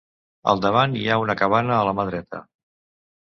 Al davant hi ha una cabana a la mà dreta.